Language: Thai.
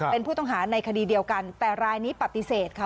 เป็นผู้ต้องหาในคดีเดียวกันแต่รายนี้ปฏิเสธค่ะ